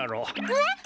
えっ！？